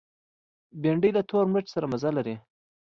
بېنډۍ له تور مرچ سره مزه لري